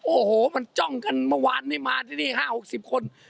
โอ้โหมันจ้องกันเมื่อวานนี้มาที่นี่๕๖๐คน